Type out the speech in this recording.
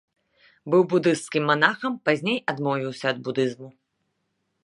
Быў будысцкім манахам, пазней адмовіўся ад будызму.